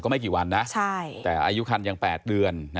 ไม่กี่วันนะแต่อายุคันยัง๘เดือน